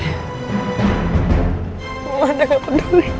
ini mama bener bener udah gak peduli sama gue